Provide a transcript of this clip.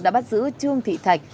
đã bắt giữ trương thị thạch